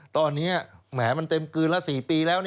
ตอนนี้แหมมันเต็มกลืนละ๔ปีแล้ว